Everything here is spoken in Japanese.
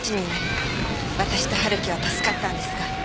私と春樹は助かったんですが。